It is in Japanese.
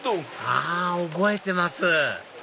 あ覚えてます